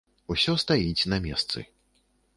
Усё стаіць на месцы.